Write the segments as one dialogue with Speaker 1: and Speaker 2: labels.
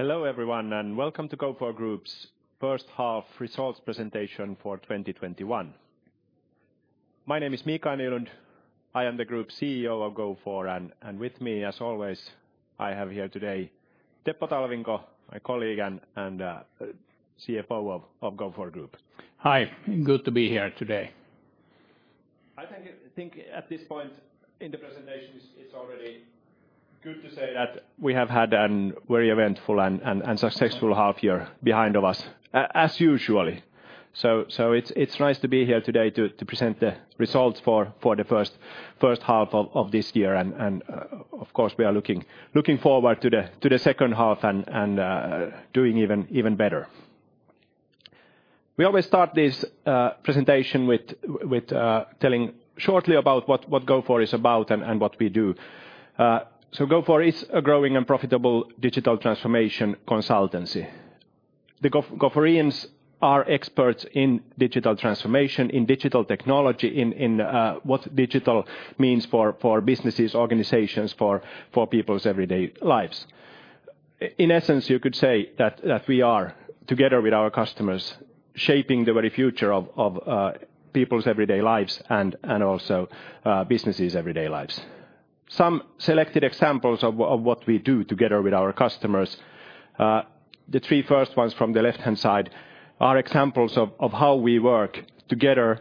Speaker 1: Hello, everyone, and welcome to Gofore Group's first half results presentation for 2021. My name is Mikael Nylund. I am the Group CEO of Gofore, and with me, as always, I have here today Teppo Talvinko, my colleague and CFO of Gofore Group.
Speaker 2: Hi, good to be here today.
Speaker 1: I think at this point in the presentation, it's already good to say that we have had an very eventful and successful half year behind of us, as usually. It's nice to be here today to present the results for the first half of this year. Of course, we are looking forward to the second half and doing even better. We always start this presentation with telling shortly about what Gofore is about and what we do. Gofore is a growing and profitable digital transformation consultancy. The Goforeans are experts in digital transformation, in digital technology, in what digital means for businesses, organizations, for people's everyday lives. In essence, you could say that we are, together with our customers, shaping the very future of people's everyday lives and also businesses' everyday lives. Some selected examples of what we do together with our customers. The three first ones from the left-hand side are examples of how we work together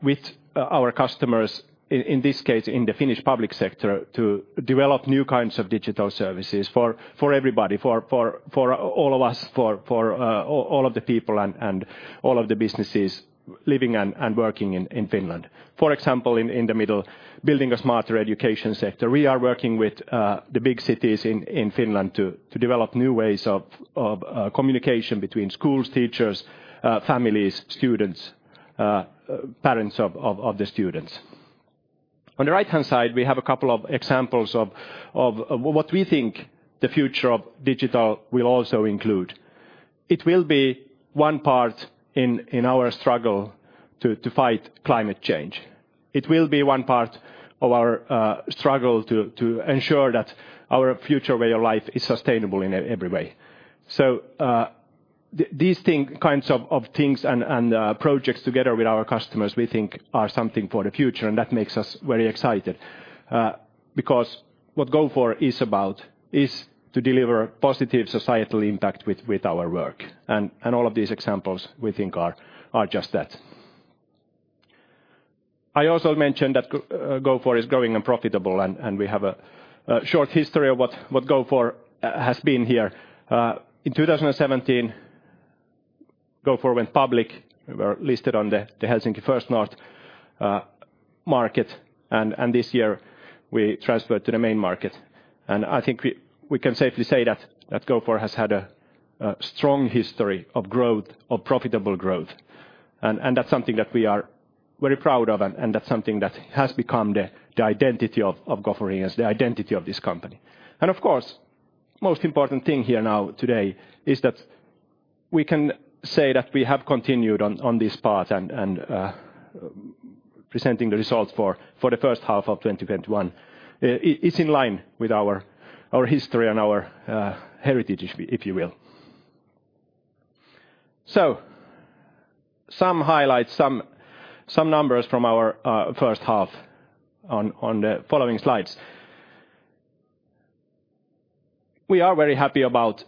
Speaker 1: with our customers, in this case, in the Finnish public sector, to develop new kinds of digital services for everybody, for all of us, for all of the people and all of the businesses living and working in Finland. For example, in the middle, building a smarter education sector. We are working with the big cities in Finland to develop new ways of communication between schools, teachers, families, students, parents of the students. On the right-hand side, we have a couple of examples of what we think the future of digital will also include. It will be one part in our struggle to fight climate change. It will be one part of our struggle to ensure that our future way of life is sustainable in every way. These kinds of things and projects together with our customers, we think are something for the future, and that makes us very excited. Because what Gofore is about is to deliver positive societal impact with our work, and all of these examples, we think, are just that. I also mentioned that Gofore is growing and profitable, and we have a short history of what Gofore has been here. In 2017, Gofore went public, we were listed on the NASDAQ First North Growth Market, and this year we transferred to the main market. I think we can safely say that Gofore has had a strong history of profitable growth, and that's something that we are very proud of, and that's something that has become the identity of Goforeans, the identity of this company. Of course, most important thing here now today is that we can say that we have continued on this path and presenting the results for the first half of 2021. It's in line with our history and our heritage, if you will. Some highlights, some numbers from our first half on the following slides. We are very happy about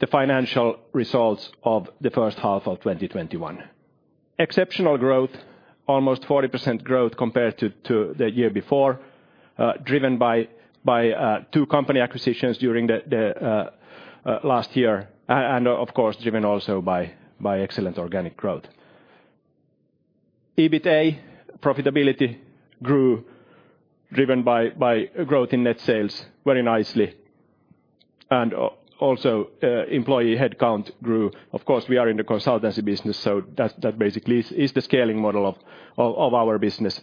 Speaker 1: the financial results of the first half of 2021. Exceptional growth, almost 40% growth compared to the year before, driven by two company acquisitions during the last year and, of course, driven also by excellent organic growth. EBITA profitability grew, driven by growth in net sales very nicely, and also employee headcount grew. Of course, we are in the consultancy business, so that basically is the scaling model of our business.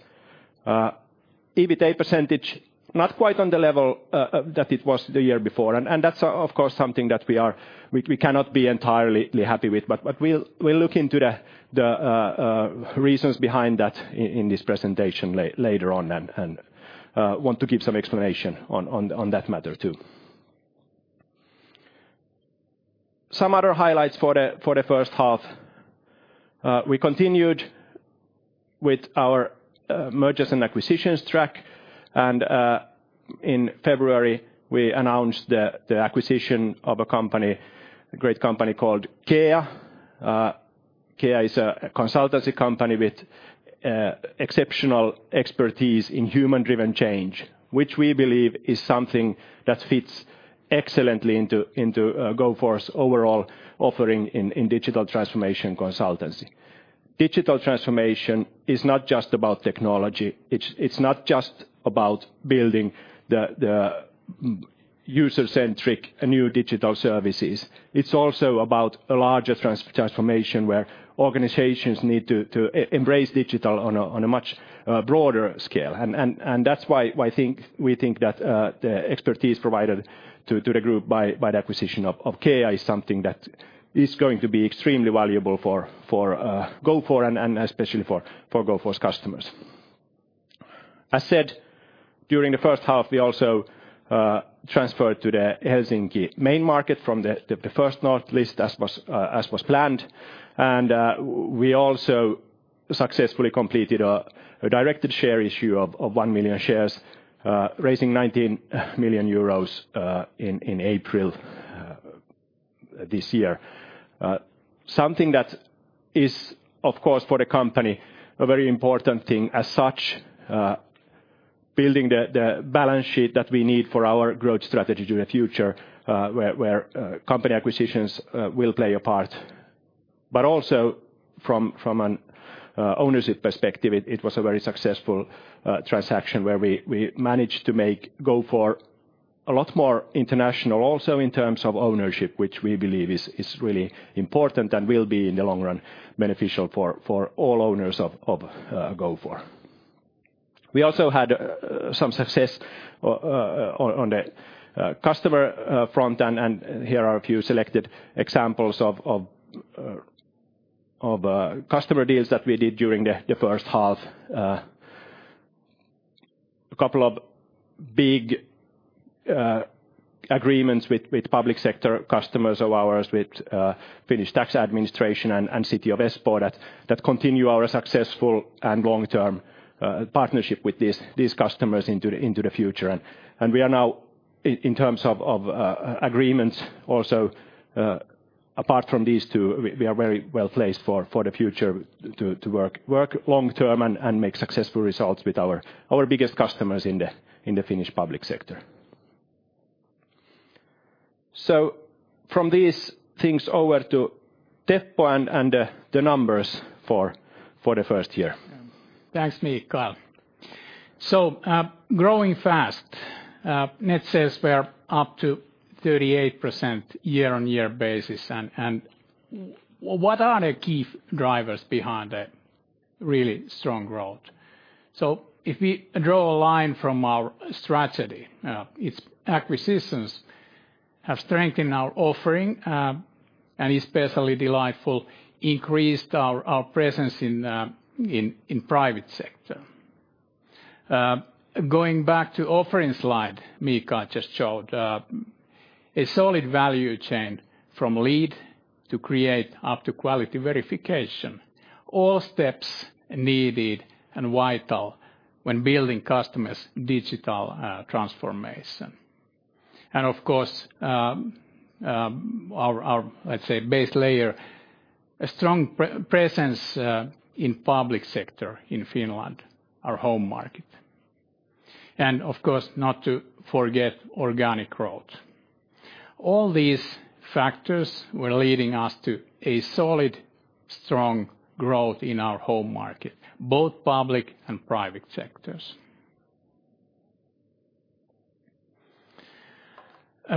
Speaker 1: EBITA percentage not quite on the level that it was the year before, that's of course, something that we cannot be entirely happy with, we'll look into the reasons behind that in this presentation later on and want to give some explanation on that matter, too. Some other highlights for the first half, we continued with our mergers and acquisitions track in February, we announced the acquisition of a great company called CCEA. CCEA is a consultancy company with exceptional expertise in human-driven change, which we believe is something that fits excellently into Gofore's overall offering in digital transformation consultancy. Digital transformation is not just about technology. It's not just about building the user-centric new digital services. It's also about a larger transformation where organizations need to embrace digital on a much broader scale, and that's why we think that the expertise provided to the group by the acquisition of CCEA is something that is going to be extremely valuable for Gofore and especially for Gofore's customers. As said, during the first half, we also transferred to the Helsinki main market from the First North list as was planned. We also successfully completed a directed share issue of 1 million shares, raising 19 million euros in April this year. Something that is, of course, for the company, a very important thing as such, building the balance sheet that we need for our growth strategy to the future where company acquisitions will play a part. Also from an ownership perspective, it was a very successful transaction where we managed to make Gofore a lot more international also in terms of ownership, which we believe is really important and will be, in the long run, beneficial for all owners of Gofore. We also had some success on the customer front, here are a few selected examples of customer deals that we did during the first half. A couple of big agreements with public sector customers of ours, with Finnish Tax Administration and City of Espoo, that continue our successful and long-term partnership with these customers into the future. We are now, in terms of agreements also apart from these two, we are very well-placed for the future to work long-term and make successful results with our biggest customers in the Finnish public sector. From these things, over to Teppo and the numbers for the first year.
Speaker 2: Thanks, Mikael. Growing fast, net sales were up to 38% year-on-year basis. What are the key drivers behind the really strong growth? If we draw a line from our strategy, it's acquisitions have strengthened our offering, and especially Qentinel increased our presence in private sector. Going back to offering slide Mikael just showed, a solid value chain from lead to create up to quality verification, all steps needed and vital when building customers' digital transformation. Of course, our, let's say, base layer, a strong presence in public sector in Finland, our home market. Of course, not to forget organic growth. All these factors were leading us to a solid, strong growth in our home market, both public and private sectors.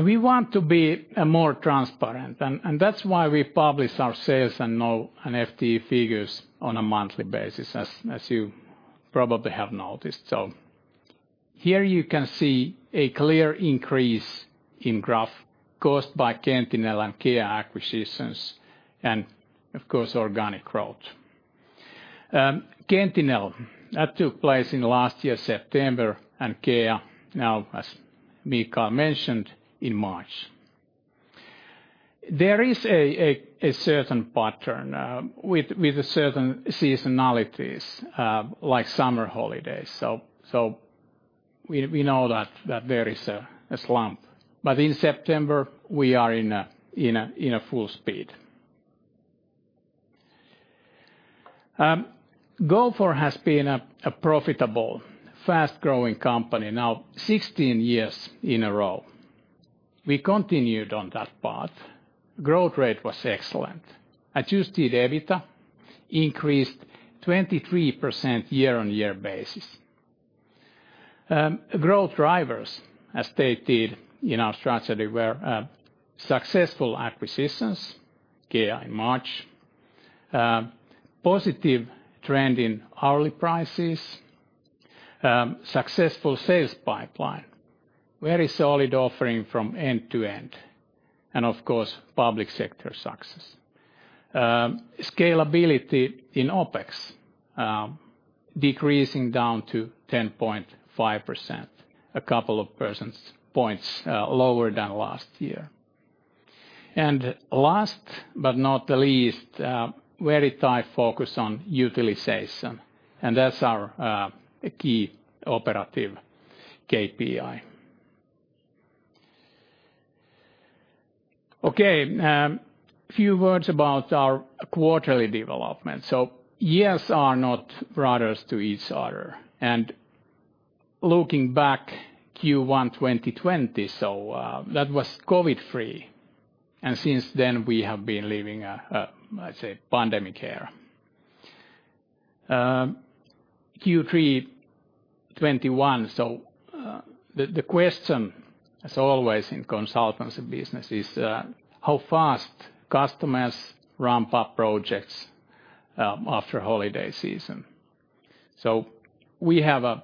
Speaker 2: We want to be more transparent, and that's why we publish our sales and FTE figures on a monthly basis, as you probably have noticed. Here you can see a clear increase in graph caused by Qentinel and CCEA acquisitions and, of course, organic growth. Qentinel, that took place in last year, September, and CCEA, now, as Mikael mentioned, in March. There is a certain pattern with certain seasonalities like summer holidays. We know that there is a slump. In September, we are in full speed. Gofore has been a profitable, fast-growing company now 16 years in a row. We continued on that path. Growth rate was excellent, adjusted EBITDA increased 23% year-on-year basis. Growth drivers, as stated in our strategy, were successful acquisitions, CCEA in March; positive trend in hourly prices; successful sales pipeline, very solid offering from end to end; and of course, public sector success. Scalability in OpEx decreasing down to 10.5%, a couple of percentage points lower than last year. Last but not the least, very tight focus on utilization. That's our key operative KPI. Okay, few words about our quarterly development. Years are not brothers to each other. Looking back Q1 2020, that was COVID-free, and since then we have been living a, let's say, pandemic era. Q3 2021, the question, as always in consultancy business is, how fast customers ramp up projects after holiday season? We have a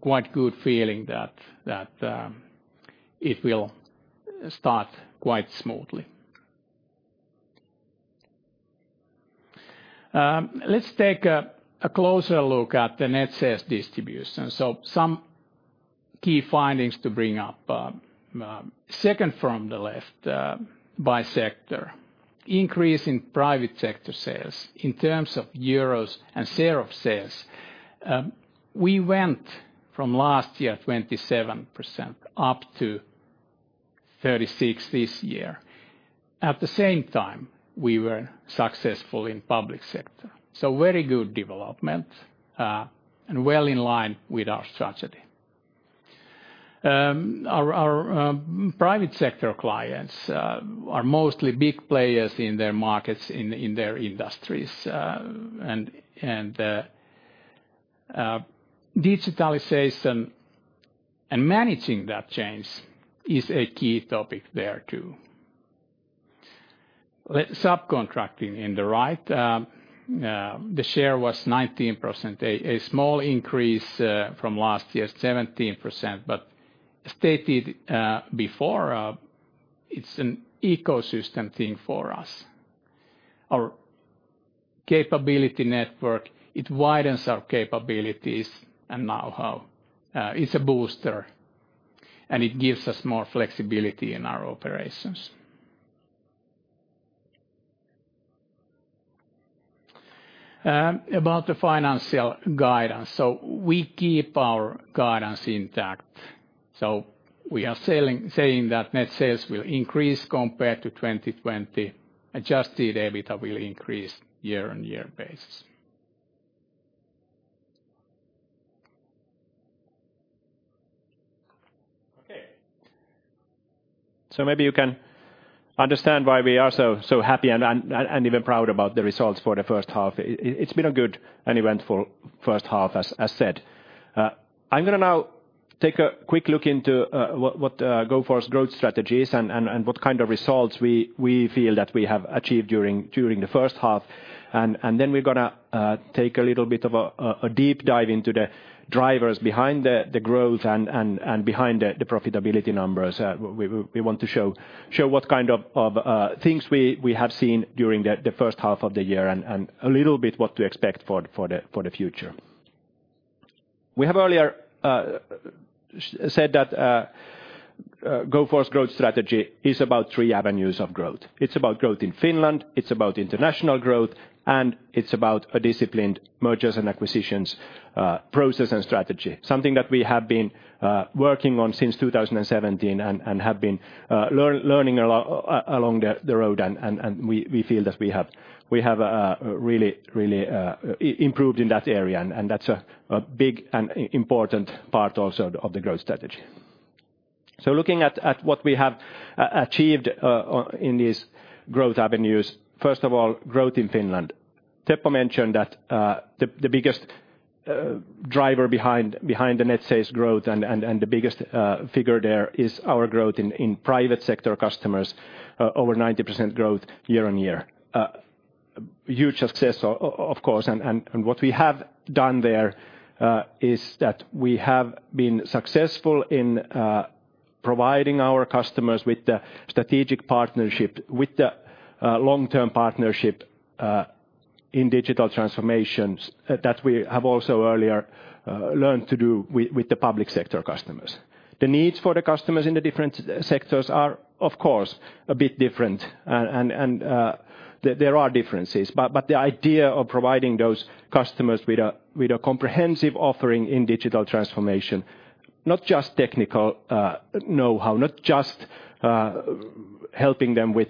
Speaker 2: quite good feeling that it will start quite smoothly. Let's take a closer look at the net sales distribution. Some key findings to bring up. Second from the left by sector, increase in private sector sales in terms of euros and share of sales. We went from last year, 27%, up to 36% this year. At the same time, we were successful in public sector. Very good development, and well in line with our strategy. Our private sector clients are mostly big players in their markets, in their industries. Digitalization and managing that change is a key topic there, too. Subcontracting in the right, the share was 19%, a small increase from last year, 17%. Stated before, it's an ecosystem thing for us. Our capability network, it widens our capabilities and know-how. It's a booster, and it gives us more flexibility in our operations. About the financial guidance, we keep our guidance intact. We are saying that net sales will increase compared to 2020. Adjusted EBITDA will increase year-on-year basis.
Speaker 1: Okay. Maybe you can understand why we are so happy and even proud about the results for the first half. It's been a good and eventful first half, as said. I'm going to now take a quick look into what Gofore's growth strategy is and what kind of results we feel that we have achieved during the first half. Then we're going to take a little bit of a deep dive into the drivers behind the growth and behind the profitability numbers. We want to show what kind of things we have seen during the first half of the year, and a little bit what to expect for the future. We have earlier said that Gofore's growth strategy is about three avenues of growth. It's about growth in Finland, it's about international growth, and it's about a disciplined mergers and acquisitions process and strategy. Something that we have been working on since 2017 and have been learning along the road, and we feel that we have really improved in that area, and that's a big and important part also of the growth strategy. Looking at what we have achieved in these growth avenues, first of all, growth in Finland. Teppo mentioned that the biggest driver behind the net sales growth and the biggest figure there is our growth in private sector customers, over 90% growth year-on-year. A huge success of course and what we have done there is that we have been successful in providing our customers with the strategic partnership, with the long-term partnership in digital transformations that we have also earlier learned to do with the public sector customers. The needs for the customers in the different sectors are, of course, a bit different and there are differences, but the idea of providing those customers with a comprehensive offering in digital transformation, not just technical know-how, not just helping them with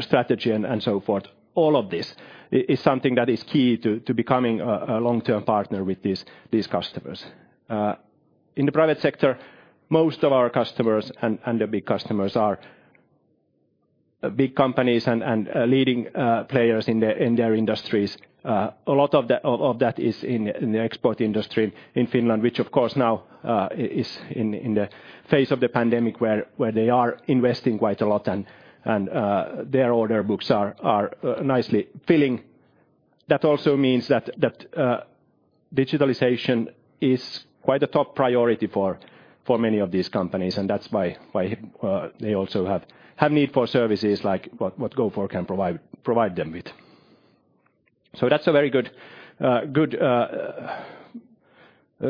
Speaker 1: strategy and so forth, all of this is something that is key to becoming a long-term partner with these customers. In the private sector, most of our customers and the big customers are big companies and leading players in their industries. A lot of that is in the export industry in Finland, which of course now is in the phase of the pandemic where they are investing quite a lot and their order books are nicely filling. That also means that digitalization is quite a top priority for many of these companies, and that's why they also have need for services like what Gofore can provide them with. That's a very good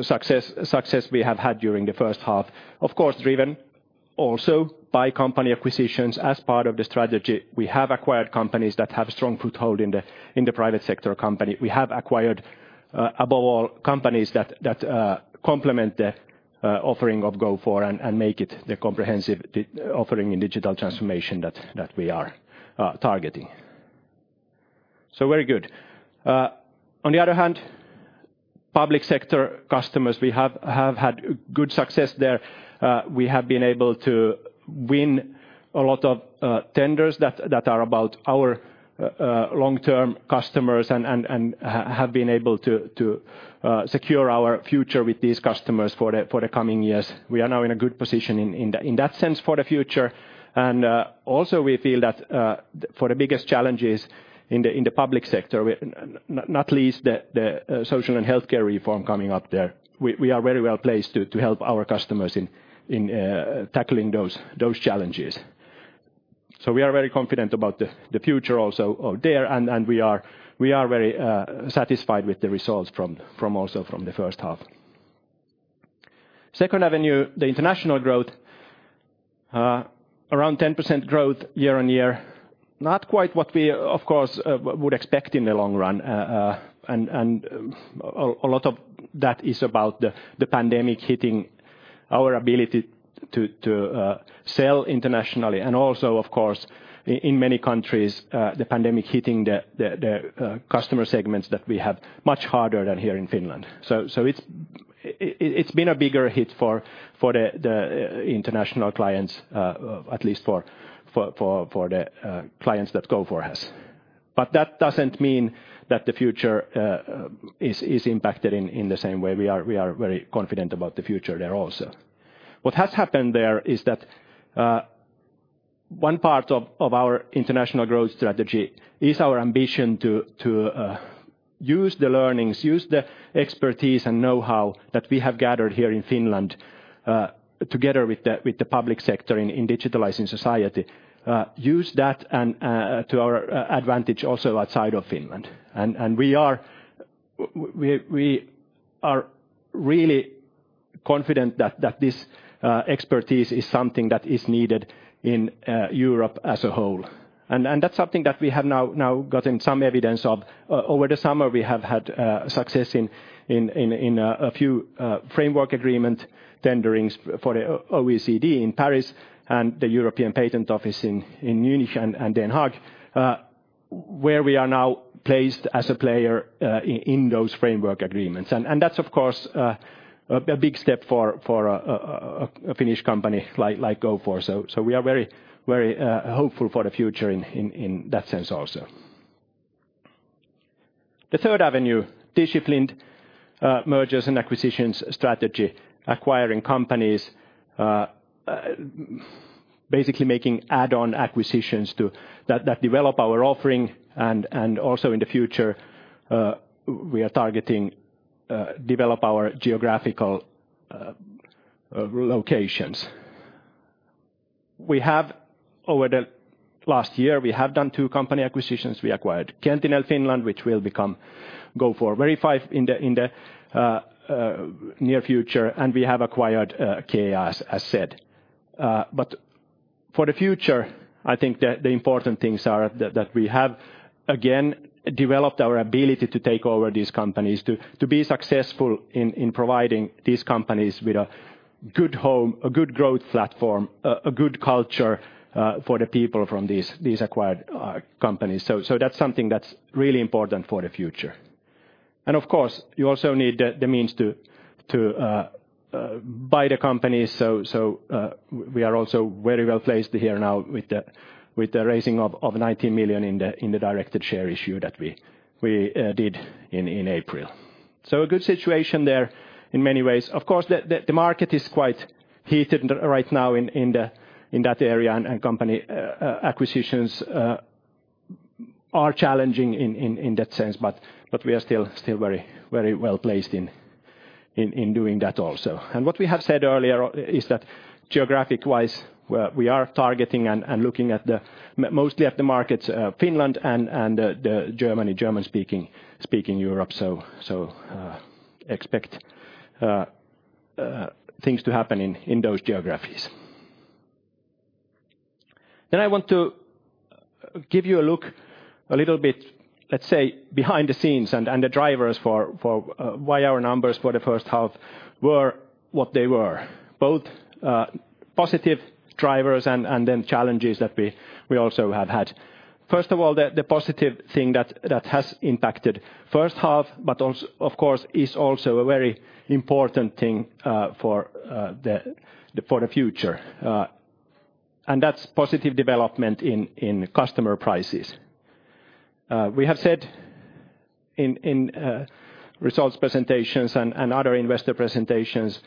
Speaker 1: success we have had during the first half, of course, driven also by company acquisitions as part of the strategy. We have acquired companies that have strong foothold in the private sector company. We have acquired, above all, companies that complement the offering of Gofore and make it the comprehensive offering in digital transformation that we are targeting. Very good. On the other hand, public sector customers, we have had good success there. We have been able to win a lot of tenders that are about our long-term customers and have been able to secure our future with these customers for the coming years. We are now in a good position in that sense for the future. Also we feel that for the biggest challenges in the public sector, not least the social and healthcare reform coming up there, we are very well-placed to help our customers in tackling those challenges. We are very confident about the future also there, and we are very satisfied with the results also from the first half. Second avenue, the international growth, around 10% growth year-on-year. Not quite what we, of course, would expect in the long run. A lot of that is about the pandemic hitting our ability to sell internationally, and also, of course, in many countries, the pandemic hitting the customer segments that we have much harder than here in Finland. It's been a bigger hit for the international clients, at least for the clients that Gofore has. That doesn't mean that the future is impacted in the same way. We are very confident about the future there also. What has happened there is that one part of our international growth strategy is our ambition to use the learnings, use the expertise and know-how that we have gathered here in Finland, together with the public sector in digitalizing society, use that and to our advantage also outside of Finland. We are really confident that this expertise is something that is needed in Europe as a whole. That's something that we have now gotten some evidence of. Over the summer, we have had success in a few framework agreement tenderings for the OECD in Paris and the European Patent Office in Munich and The Hague, where we are now placed as a player in those framework agreements. That's, of course, a big step for a Finnish company like Gofore. We are very hopeful for the future in that sense also. The third avenue, disciplined mergers and acquisitions strategy. Acquiring companies, basically making add-on acquisitions that develop our offering and also in the future, we are targeting develop our geographical locations. Over the last year, we have done two company acquisitions. We acquired Qentinel Finland, which will become Gofore Verify in the near future, and we have acquired CCEA, as said. For the future, I think that the important things are that we have, again, developed our ability to take over these companies, to be successful in providing these companies with a good home, a good growth platform, a good culture for the people from these acquired companies. That's something that's really important for the future. Of course, you also need the means to buy the company. We are also very well placed here now with the raising of 19 million in the directed share issue that we did in April. A good situation there in many ways. Of course, the market is quite heated right now in that area, and company acquisitions are challenging in that sense, but we are still very well-placed in doing that also. What we have said earlier is that geographic-wise, we are targeting and looking mostly at the markets Finland and the German-speaking Europe. Expect things to happen in those geographies. I want to give you a look a little bit, let's say, behind the scenes and the drivers for why our numbers for the first half were what they were, both positive drivers and then challenges that we also have had. First of all, the positive thing that has impacted first half, of course, is also a very important thing for the future and that's positive development in customer prices. We have said in results presentations and other investor presentations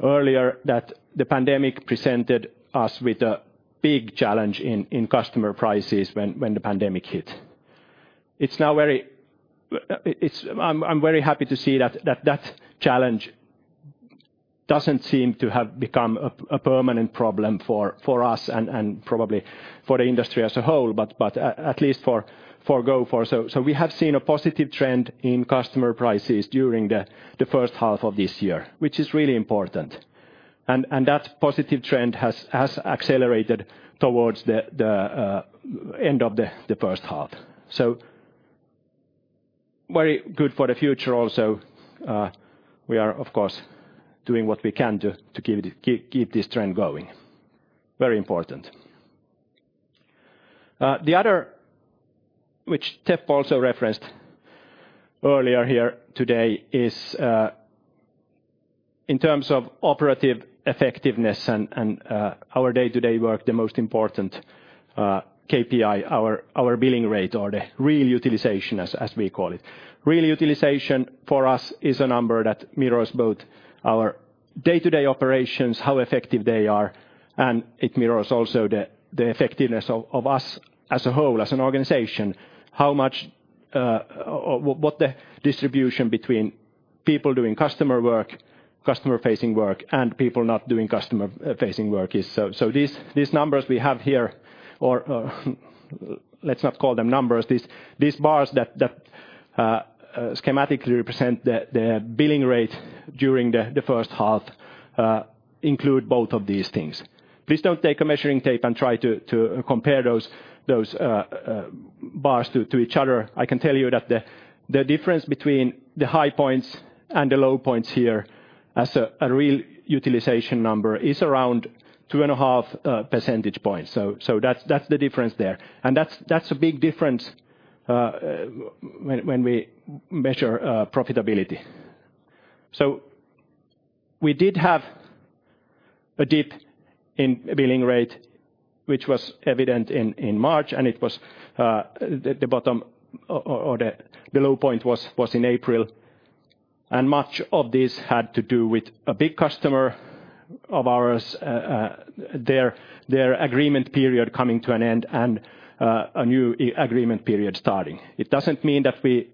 Speaker 1: earlier that the pandemic presented us with a big challenge in customer prices when the pandemic hit. I'm very happy to see that challenge doesn't seem to have become a permanent problem for us and probably for the industry as a whole, but at least for Gofore. We have seen a positive trend in customer prices during the first half of this year, which is really important. That positive trend has accelerated towards the end of the first half. Very good for the future also. We are, of course, doing what we can to keep this trend going. Very important. The other, which Teppo also referenced earlier here today is, in terms of operative effectiveness and our day-to-day work, the most important KPI, our billing rate or the real utilization, as we call it. Real utilization for us is a number that mirrors both our day-to-day operations, how effective they are, and it mirrors also the effectiveness of us as a whole, as an organization, what the distribution between people doing customer work, customer-facing work, and people not doing customer-facing work. These numbers we have here, or let's not call them numbers, these bars that schematically represent the billing rate during the first half include both of these things. Please don't take a measuring tape and try to compare those bars to each other. I can tell you that the difference between the high points and the low points here as a real utilization number is around 2.5 percentage points. That's the difference there, and that's a big difference when we measure profitability. We did have a dip in billing rate, which was evident in March, and the low point was in April. Much of this had to do with a big customer of ours, their agreement period coming to an end and a new agreement period starting. It doesn't mean that we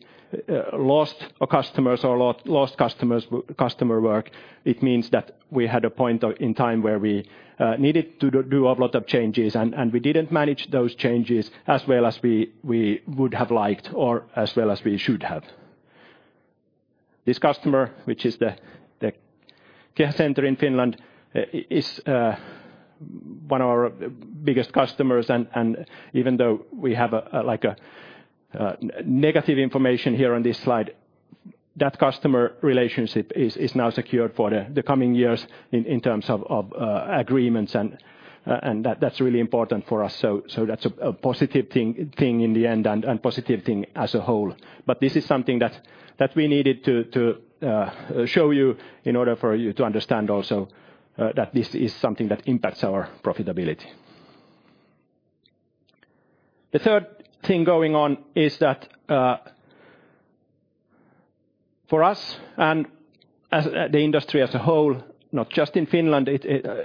Speaker 1: lost customers or lost customer work. It means that we had a point in time where we needed to do a lot of changes, and we didn't manage those changes as well as we would have liked or as well as we should have. This customer, which is the KEHA Centre in Finland, is one of our biggest customers. Even though we have negative information here on this slide, that customer relationship is now secured for the coming years in terms of agreements, and that's really important for us. That's a positive thing in the end and positive thing as a whole. This is something that we needed to show you in order for you to understand also that this is something that impacts our profitability. The third thing going on is that for us, as the industry as a whole, not just in Finland,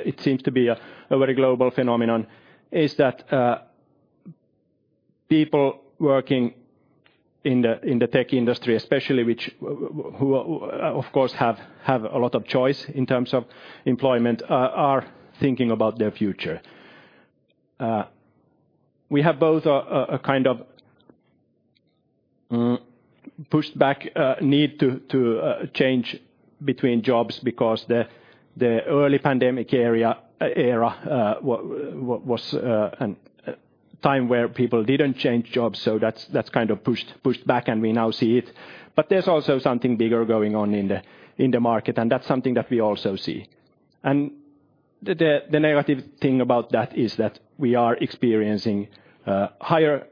Speaker 1: it seems to be a very global phenomenon, is that people working in the tech industry especially who, of course, have a lot of choice in terms of employment, are thinking about their future. We have both a kind of pushed back need to change between jobs because the early pandemic era was a time where people didn't change jobs. That's kind of pushed back and we now see it. There's also something bigger going on in the market. That's something that we also see. The negative thing about that is that we are experiencing higher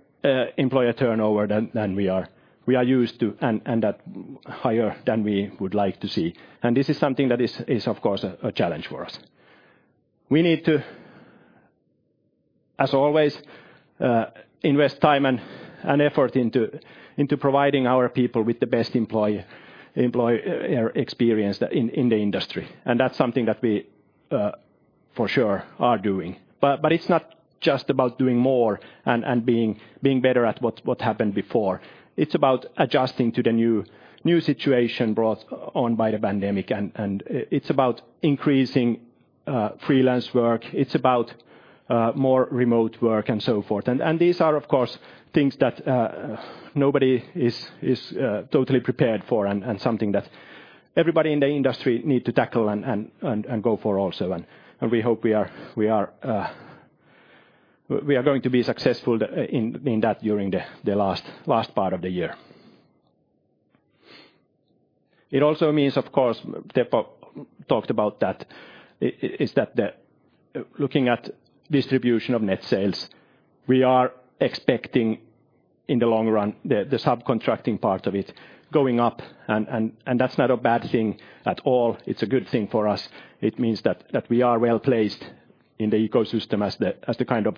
Speaker 1: employer turnover than we are used to and that higher than we would like to see. This is something that is, of course, a challenge for us. We need to, as always, invest time and effort into providing our people with the best employer experience in the industry. That's something that we, for sure, are doing. It's not just about doing more and being better at what happened before. It's about adjusting to the new situation brought on by the pandemic, and it's about increasing freelance work. It's about more remote work and so forth. These are, of course, things that nobody is totally prepared for and something that everybody in the industry need to tackle and Gofore also. We hope we are going to be successful in that during the last part of the year. It also means, of course, Teppo talked about that, is that looking at distribution of net sales, we are expecting, in the long run, the subcontracting part of it going up, and that's not a bad thing at all. It's a good thing for us. It means that we are well-placed in the ecosystem as the kind of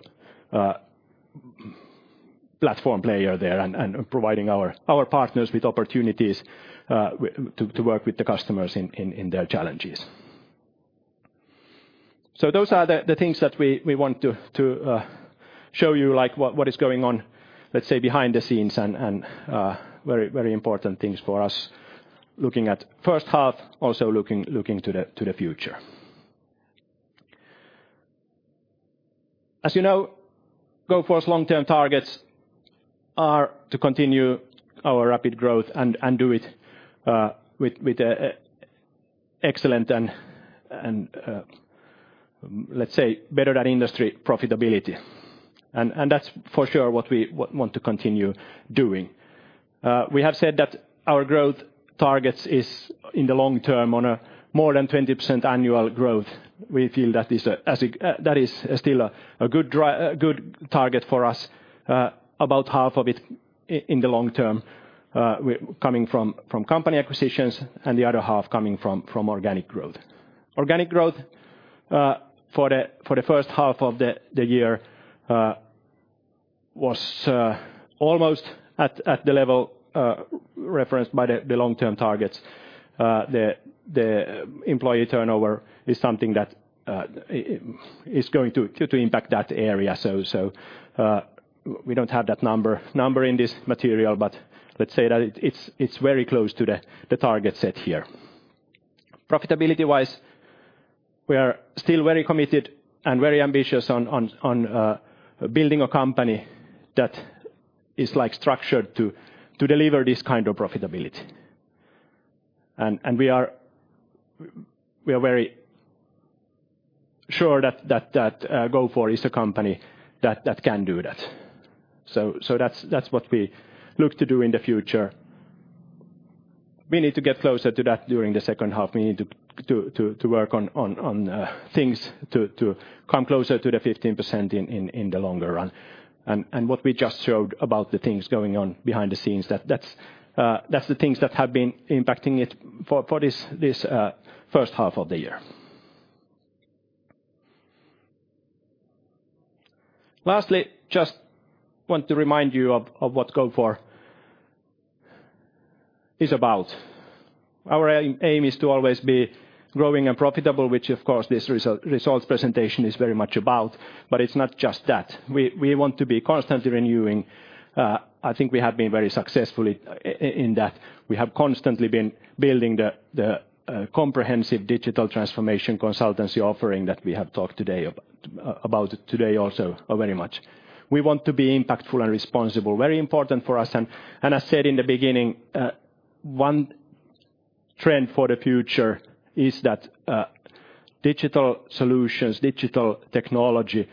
Speaker 1: platform player there and providing our partners with opportunities to work with the customers in their challenges. Those are the things that we want to show you, like what is going on, let's say, behind the scenes and very important things for us looking at first half, also looking to the future. As you know, Gofore's long-term targets are to continue our rapid growth and do it with excellent and, let's say, better than industry profitability. That's for sure what we want to continue doing. We have said that our growth targets is in the long term on a more than 20% annual growth. We feel that is still a good target for us. About half of it in the long term coming from company acquisitions and the other half coming from organic growth. Organic growth for the first half of the year was almost at the level referenced by the long-term targets. The employee turnover is something that is going to impact that area also. We don't have that number in this material, but let's say that it's very close to the target set here. Profitability-wise, we are still very committed and very ambitious on building a company that is structured to deliver this kind of profitability. We are very sure that Gofore is a company that can do that. That's what we look to do in the future. We need to get closer to that during the second half. We need to work on things to come closer to the 15% in the longer run. What we just showed about the things going on behind the scenes, that's the things that have been impacting it for this first half of the year. Lastly, just want to remind you of what Gofore is about. Our aim is to always be growing and profitable, which of course this results presentation is very much about, but it's not just that. We want to be constantly renewing. I think we have been very successful in that we have constantly been building the comprehensive digital transformation consultancy offering that we have talked about today also very much. We want to be impactful and responsible, very important for us. I said in the beginning, one trend for the future is that digital solutions, digital technology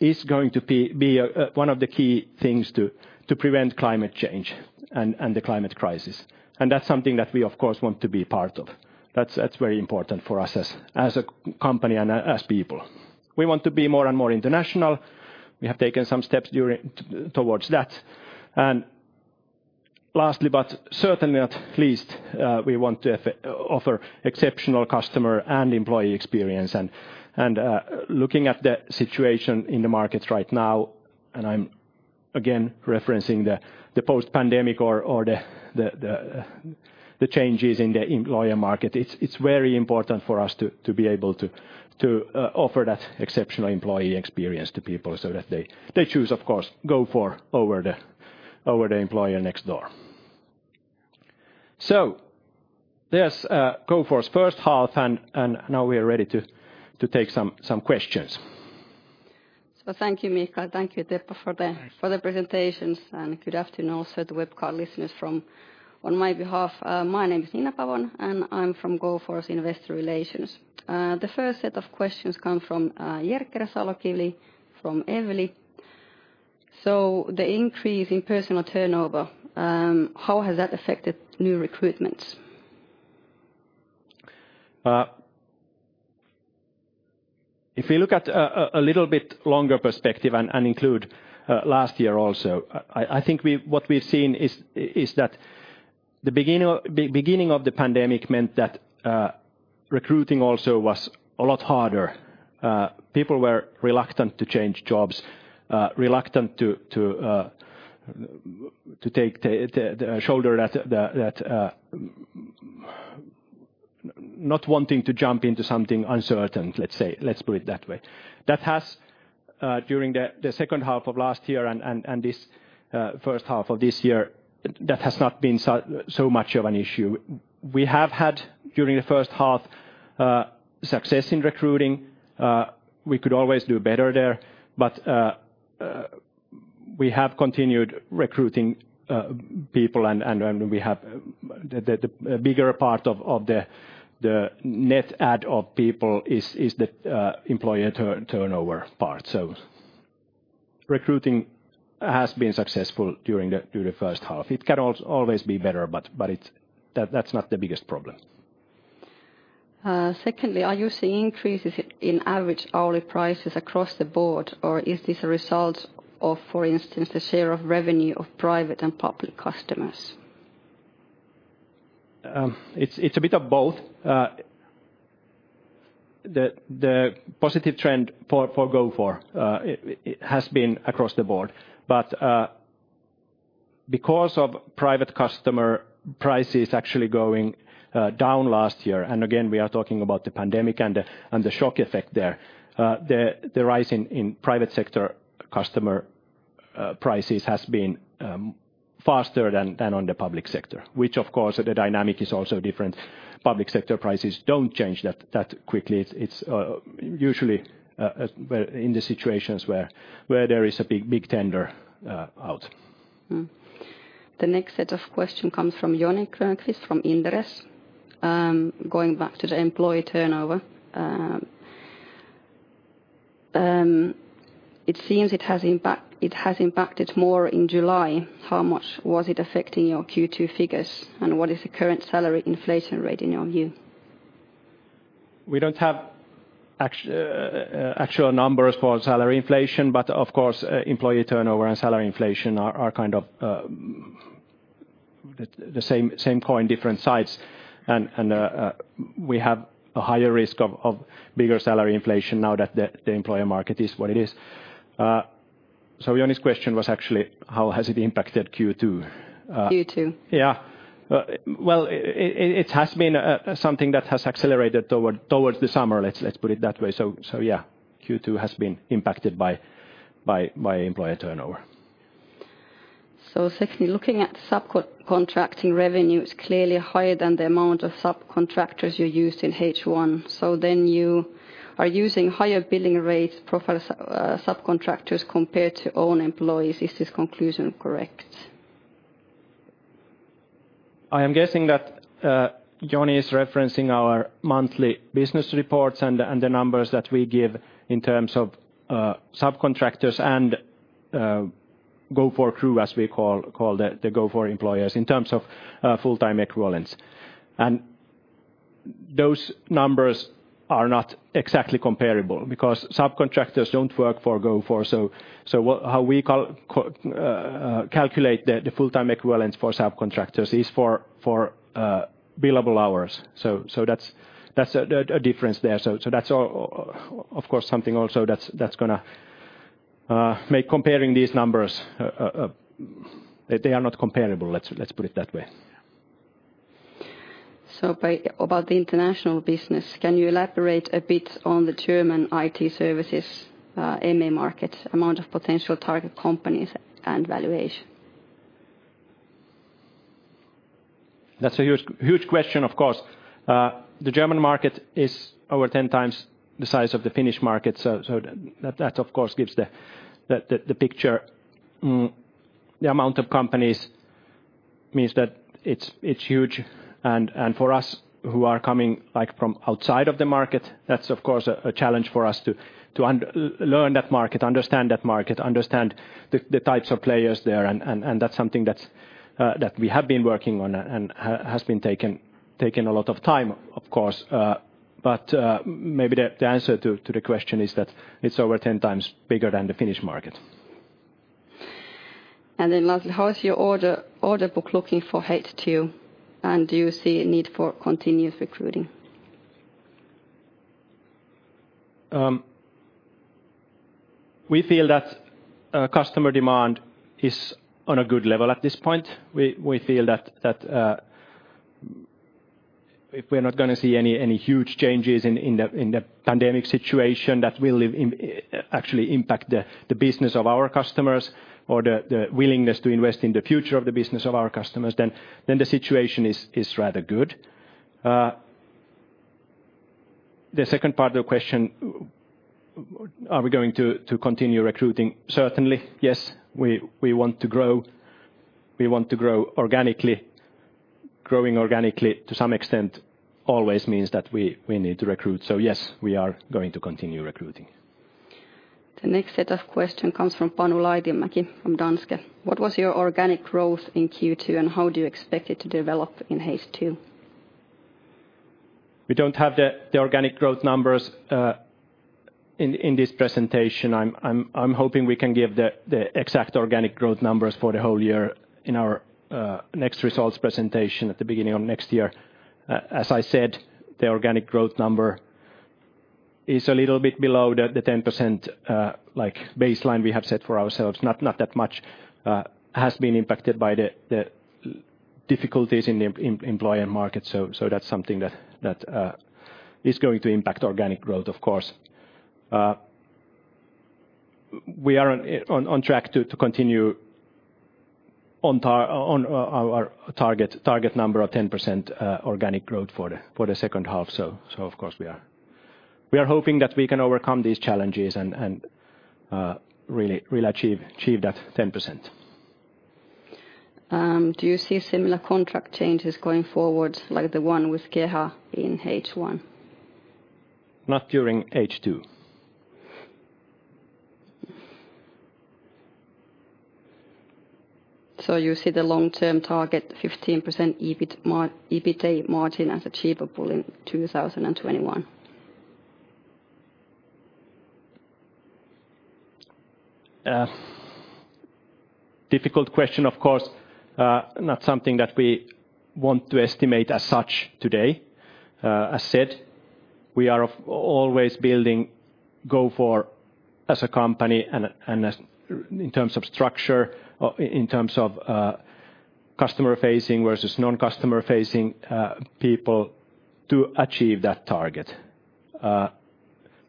Speaker 1: is going to be one of the key things to prevent climate change and the climate crisis. That's something that we, of course, want to be part of. That's very important for us as a company and as people. We want to be more and more international. We have taken some steps towards that. Lastly, but certainly not least, we want to offer exceptional customer and employee experience. Looking at the situation in the market right now, and I'm again referencing the post-pandemic or the changes in the employer market, it's very important for us to be able to offer that exceptional employee experience to people so that they choose, of course, Gofore over the employer next door. There's Gofore's first half, and now we are ready to take some questions.
Speaker 3: Thank you, Mikael. Thank you, Teppo, for the presentations. Good afternoon also to webcast listeners on my behalf. My name is Nina Pavón, and I'm from Gofore's investor relations. The first set of questions come from Jerker Salokivi from Evli. "The increase in personnel turnover, how has that affected new recruitments?"
Speaker 1: If you look at a little bit longer perspective and include last year also, I think what we've seen is that the beginning of the pandemic meant that recruiting also was a lot harder. People were reluctant to change jobs, reluctant to shoulder that, not wanting to jump into something uncertain, let's say. Let's put it that way. That has during the second half of last year and this first half of this year, that has not been so much of an issue. We have had, during the first half, success in recruiting. We could always do better there, but we have continued recruiting people, and we have the bigger part of the net add of people is the employer turnover part. Recruiting has been successful during the first half. It can always be better, but that's not the biggest problem.
Speaker 3: Secondly, "Are you seeing increases in average hourly prices across the board, or is this a result of, for instance, the share of revenue of private and public customers?"
Speaker 1: It's a bit of both. The positive trend for Gofore has been across the board. Because of private customer prices actually going down last year, and again, we are talking about the pandemic and the shock effect there, the rise in private sector customer prices has been faster than on the public sector, which of course, the dynamic is also different. Public sector prices don't change that quickly. It's usually in the situations where there is a big tender out.
Speaker 3: The next set of question comes from Joni Grönqvist from Inderes. "Going back to the employee turnover, it seems it has impacted more in July. How much was it affecting your Q2 figures, and what is the current salary inflation rate in your view?"
Speaker 1: We don't have actual numbers for salary inflation, but, of course, employee turnover and salary inflation are kind of the same coin, different sides. We have a higher risk of bigger salary inflation now that the employer market is what it is. Joni's question was actually how has it impacted Q2.
Speaker 3: Q2?
Speaker 1: Yeah. Well, it has been something that has accelerated towards the summer, let's put it that way. Yeah, Q2 has been impacted by employer turnover.
Speaker 3: Secondly, "Looking at subcontracting revenue is clearly higher than the amount of subcontractors you used in H1. You are using higher billing rates for subcontractors compared to own employees. Is this conclusion correct?"
Speaker 1: I am guessing that Joni is referencing our monthly business reports and the numbers that we give in terms of subcontractors and Gofore crew, as we call the Gofore employers, in terms of full-time equivalents. Those numbers are not exactly comparable, because subcontractors don't work for Gofore. How we calculate the full-time equivalents for subcontractors is for billable hours. That's a difference there. That's, of course, something also that's going to make comparing these numbers They are not comparable, let's put it that way.
Speaker 3: All right. "About the international business, can you elaborate a bit on the German IT services MA market, amount of potential target companies, and valuation?"
Speaker 1: That is a huge question, of course. The German market is over 10 times the size of the Finnish market. That, of course, gives the picture. The amount of companies means that it is huge. For us who are coming from outside of the market, that is, of course, a challenge for us to learn that market, understand that market, understand the types of players there, and that is something that we have been working on and has been taking a lot of time, of course. Maybe the answer to the question is that it is over 10 times bigger than the Finnish market.
Speaker 3: Lastly, "How is your order book looking for H2, and do you see a need for continuous recruiting?"
Speaker 1: We feel that customer demand is on a good level at this point. We feel that if we're not going to see any huge changes in the pandemic situation that will actually impact the business of our customers or the willingness to invest in the future of the business of our customers, then the situation is rather good. The second part of the question, are we going to continue recruiting? Certainly, yes. We want to grow. We want to grow organically. Growing organically, to some extent, always means that we need to recruit. Yes, we are going to continue recruiting.
Speaker 3: The next set of question comes from Panu Laitinmäki from Danske. "What was your organic growth in Q2, and how do you expect it to develop in H2?"
Speaker 1: We don't have the organic growth numbers in this presentation. I'm hoping we can give the exact organic growth numbers for the whole year in our next results presentation at the beginning of next year. As I said, the organic growth number is a little bit below the 10% baseline we have set for ourselves, not that much has been impacted by the difficulties in the employment market. That's something that is going to impact organic growth, of course. We are on track to continue on our target number of 10% organic growth for the second half, of course, we are. We are hoping that we can overcome these challenges and really achieve that 10%.
Speaker 3: "Do you see similar contract changes going forward, like the one with KEHA in H1?"
Speaker 1: Not during H2.
Speaker 3: "You see the long-term target, 15% EBITDA margin, as achievable in 2021?"
Speaker 1: Difficult question, of course. Not something that we want to estimate as such today. As said, we are always building Gofore as a company and in terms of structure, in terms of customer-facing versus non-customer-facing people to achieve that target.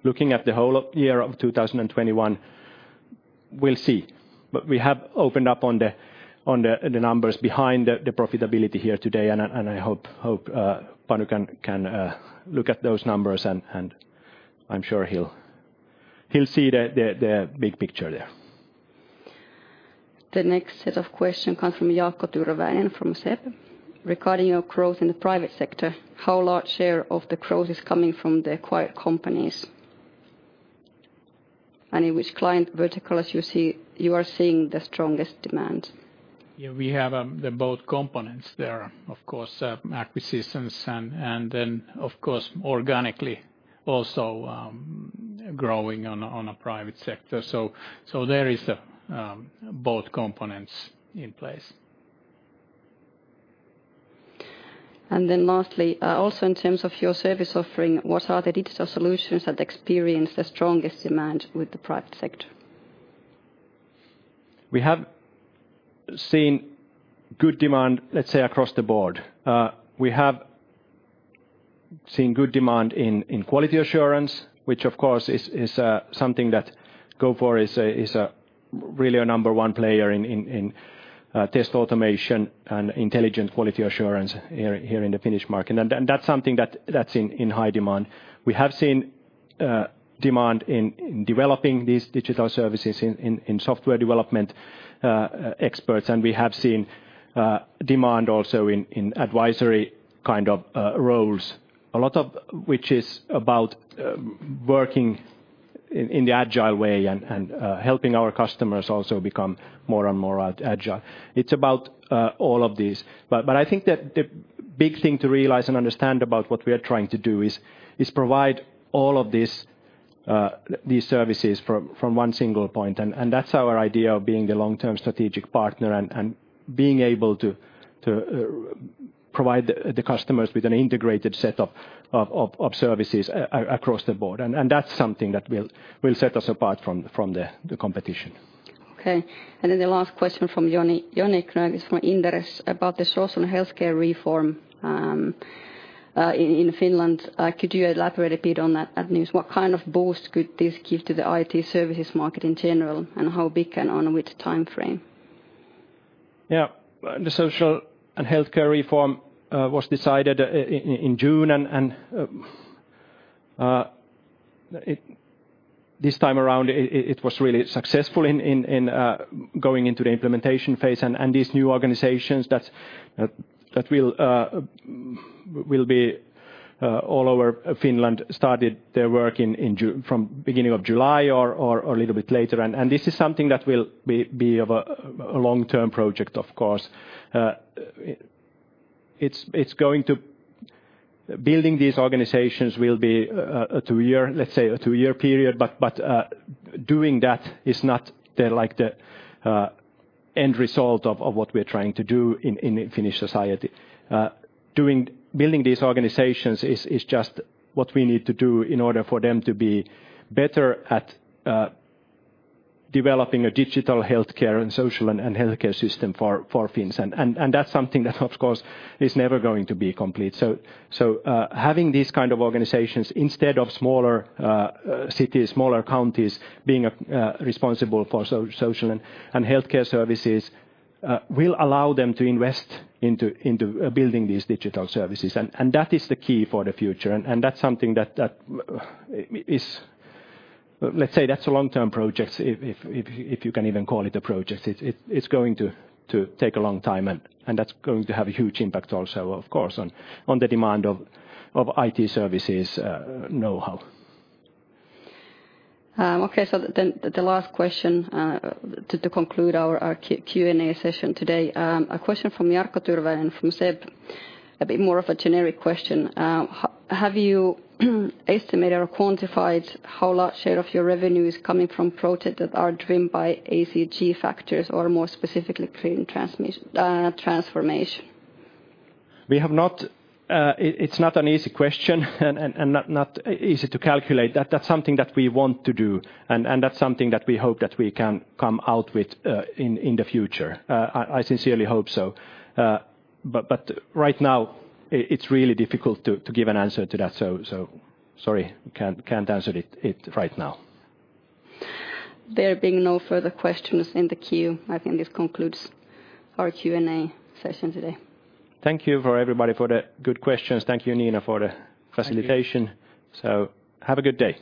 Speaker 1: Looking at the whole year of 2021, we'll see. We have opened up on the numbers behind the profitability here today, and I hope Panu can look at those numbers, and I'm sure he'll see the big picture there.
Speaker 3: The next set of question comes from Jaakko Tyrväinen from SEB. "Regarding your growth in the private sector, how large share of the growth is coming from the acquired companies? In which client verticals you are seeing the strongest demand?"
Speaker 2: Yeah, we have both components there, of course, acquisitions and then, of course, organically also growing on a private sector. There is both components in place.
Speaker 3: Lastly, "Also in terms of your service offering, what are the digital solutions that experience the strongest demand with the private sector?"
Speaker 2: We have seen good demand, let's say, across the board. We have seen good demand in quality assurance, which of course is something that Gofore is really a number one player in test automation and intelligent quality assurance here in the Finnish market. That's something that's in high demand. We have seen demand in developing these digital services in software development experts, we have seen demand also in advisory kind of roles. A lot of which is about working in the agile way and helping our customers also become more and more agile. It's about all of these. I think that the big thing to realize and understand about what we are trying to do is provide all of these services from one single point. That's our idea of being the long-term strategic partner and being able to provide the customers with an integrated set of services across the board. That's something that will set us apart from the competition.
Speaker 3: Okay. Then the last question from Joni Grönqvist from Inderes about the social and healthcare reform in Finland. "Could you elaborate a bit on that news? What kind of boost could this give to the IT services market in general? How big and on which time frame?"
Speaker 1: Yeah, the social and healthcare reform was decided in June, and this time around, it was really successful in going into the implementation phase and these new organizations that will be all over Finland started their work from beginning of July or a little bit later. This is something that will be of a long-term project, of course. Building these organizations will be, let's say a two-year period, but doing that is not the end result of what we're trying to do in Finnish society. Building these organizations is just what we need to do in order for them to be better at developing a digital healthcare and social and healthcare system for Finns. That's something that, of course, is never going to be complete. Having these kind of organizations instead of smaller cities, smaller counties being responsible for social and healthcare services, will allow them to invest into building these digital services. That is the key for the future, and that's something that is, let's say, that's a long-term project, if you can even call it a project. It's going to take a long time, and that's going to have a huge impact also, of course, on the demand of IT services know-how.
Speaker 3: Okay, the last question to conclude our Q&A session today. A question from Jaakko Tyrväinen and from SEB, a bit more of a generic question. "Have you estimated or quantified how large share of your revenue is coming from projects that are driven by ESG factors or more specifically green transformation?"
Speaker 1: It's not an easy question and not easy to calculate. That's something that we want to do, and that's something that we hope that we can come out with in the future. I sincerely hope so. Right now, it's really difficult to give an answer to that, so sorry. Can't answer it right now.
Speaker 3: There being no further questions in the queue, I think this concludes our Q&A session today.
Speaker 1: Thank you for everybody for the good questions. Thank you, Nina, for the facilitation. Have a good day.